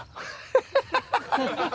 ハハハハ！